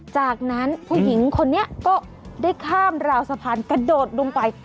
จากนั้นผู้หญิงคนนี้ก็ได้ข้ามราวสะพานกระโดดลงไป